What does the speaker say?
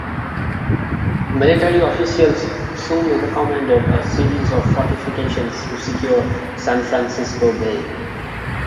Military officials soon recommended a series of fortifications to secure San Francisco Bay.